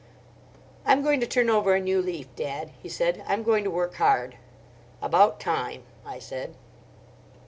"I'm going to turn over a new leaf, dad," he said. "I'm going to work hard." "About time," I said.